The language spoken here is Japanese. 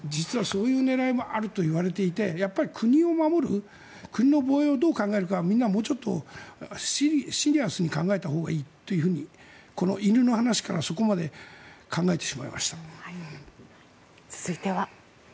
実はそういう狙いもあるといわれていて国を守る、国の防衛をどう考えるかはみんなもうちょっとシリアスに考えたほうがいいということをこの犬の話から続いては。